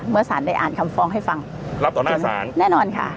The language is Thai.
เมื่อสารได้อ่านคำฟ้องให้ฟังรับต่อหน้าศาลแน่นอนค่ะ